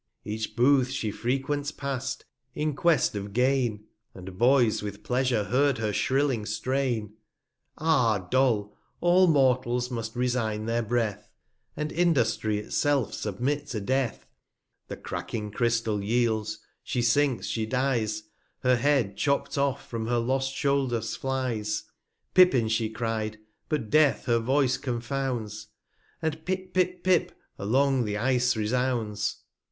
Each Booth she frequent past, in quest of Gain, And Boys with pleasure heard her shrilling Strain. Ah Doll! all Mortals must resign their Breath, 265 And Industry it self submit to Death ! The cracking Crystal yields, she sinks, she dyes, Her Head, chopt off, from her lost Shoulders flies: Pippins she cry'd, but Death her Voice confounds, And Pip Pip Pip along the Ice resounds.